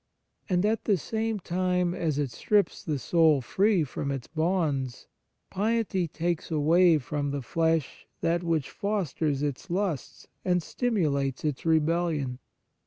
And, at the same time as it strips the soul free from its bonds, piety takes away from the flesh that which fosters its lusts and stimulates its rebellion.